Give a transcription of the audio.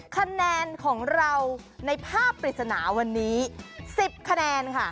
คะแนนของเราในภาพปริศนาวันนี้๑๐คะแนนค่ะ